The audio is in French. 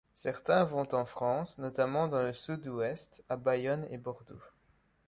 Certains vont en France, notamment dans le Sud-Ouest, à Bayonne et Bordeaux.